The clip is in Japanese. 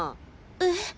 えっ？